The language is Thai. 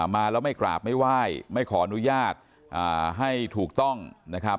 มาแล้วไม่กราบไม่ไหว้ไม่ขออนุญาตให้ถูกต้องนะครับ